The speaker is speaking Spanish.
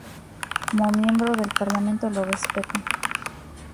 Como miembro del Parlamento, lo respeto.